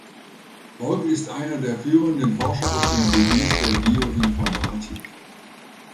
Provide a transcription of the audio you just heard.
Bork ist einer der führenden Forscher auf dem Gebiet der Bioinformatik.